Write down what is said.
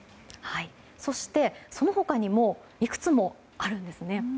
そして、その他にもいくつもあるんですね。